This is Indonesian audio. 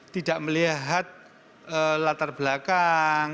tidak melihat latar belakang